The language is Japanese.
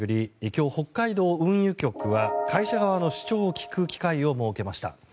今日、北海道運輸局は会社側の主張を聞く機会を設けました。